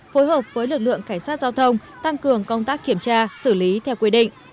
phối hợp với lực lượng cảnh sát giao thông tăng cường công tác kiểm tra xử lý theo quy định